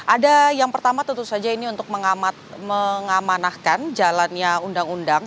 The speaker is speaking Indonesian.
ada yang pertama tentu saja ini untuk mengamanahkan jalannya undang undang